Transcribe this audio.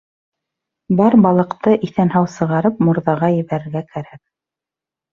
Бар балыҡты, иҫән-һау сығарып, мурҙаға ебәрергә кәрәк.